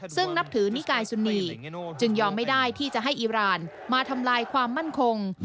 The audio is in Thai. ซึ่งนับถือนิกายสุนีจึงยอมไม่ได้ที่จะให้อีรานมาทำลายความมั่นคง